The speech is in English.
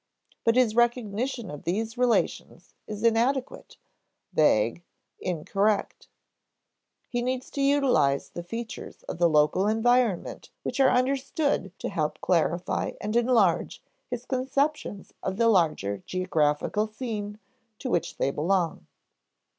But his recognition of these relations is inadequate, vague, incorrect. He needs to utilize the features of the local environment which are understood to help clarify and enlarge his conceptions of the larger geographical scene to which they belong.